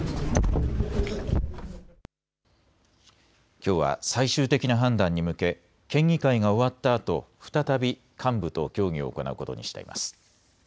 きょうは最終的な判断に向け県議会が終わったあと再び幹部と協議を行うことにしています。